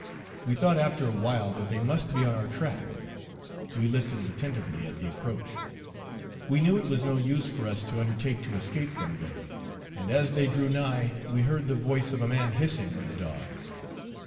We thought after awhile that they must be on our track; we listened attentively at the approach. We knew it was no use for us to undertake to escape from them, and as they drew nigh, we heard the voice of a man hissing on the dogs.